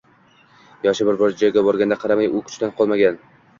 Yoshi bir joyga borganiga qaramay, u kuchdan qolmagan